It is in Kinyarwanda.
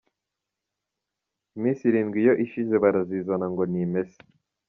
Iminsi irindwi iyo ishize barazizana ngo nimese.